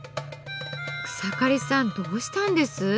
草刈さんどうしたんです？